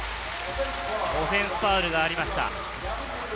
オフェンスファウルがありました。